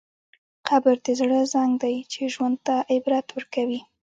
قبر د زړه زنګ دی چې ژوند ته عبرت ورکوي.